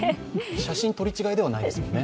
写真取り違えではないですもんね。